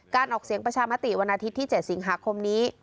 ออกเสียงประชามติวันอาทิตย์ที่๗สิงหาคมนี้